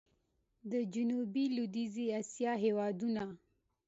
د جنوب لوېدیځي اسیا هېوادونه